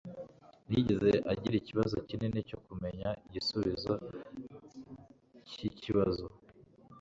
Ntiyigeze agira ikibazo kinini cyo kumenya igisubizo cyikibazo